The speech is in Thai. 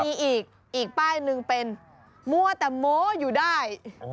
มีอีกป้ายหนึ่งเป็นโม่แต่โมอคอยู่ได้